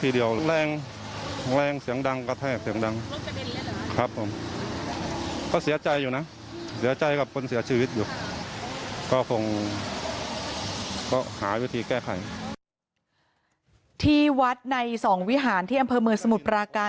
ที่วัดในสองวิหารที่อำเภอเมืองสมุทรปราการ